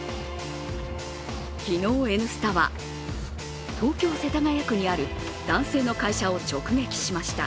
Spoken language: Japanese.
昨日「Ｎスタ」は、東京・世田谷区にある男性の会社を直撃しました。